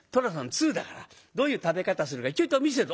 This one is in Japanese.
通だからどういう食べ方するかちょいと見せて」。